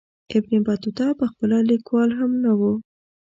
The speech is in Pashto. ابن بطوطه پخپله لیکوال هم نه وو.